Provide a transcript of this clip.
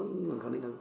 anh hường khẳng định